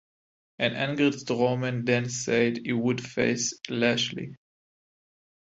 An angered Strowman then said he would face Lashley.